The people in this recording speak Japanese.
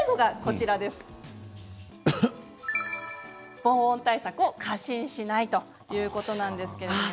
防音対策を過信しないということです。